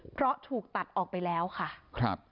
เพราะถูกตัดออกไปแล้วค่ะครับ